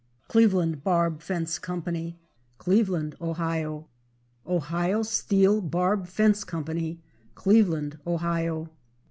Cleveland Barb Fence Co., Cleveland, Ohio. Ohio Steel Barb Fence Co., Cleveland, Ohio.